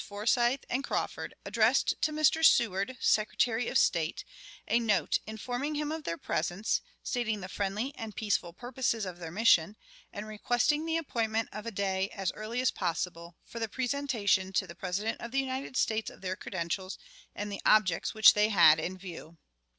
Forsyth and Crawford, addressed to Mr. Seward, Secretary of State, a note informing him of their presence, stating the friendly and peaceful purposes of their mission, and requesting the appointment of a day, as early as possible, for the presentation to the President of the United States of their credentials and the objects which they had in view.